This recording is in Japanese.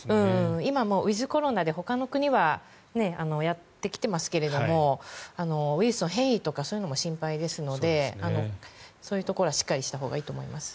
今ウィズコロナでほかの国はやってきていますがウイルスの変異とかそういうのも心配ですのでそういうところはしっかりしたほうがいいと思います。